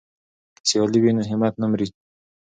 که سیالي وي نو همت نه مري.